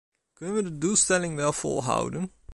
Kunnen we de doelstelling wel volhouden?